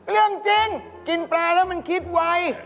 เรื่องจริงกินแปลแล้วมันคิดไว